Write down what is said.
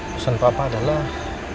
pusat papa adalah